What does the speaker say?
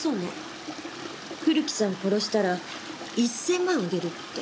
古木さん殺したら１０００万あげるって。